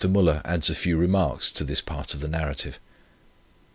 Müller adds a few remarks to this part of the Narrative: "1.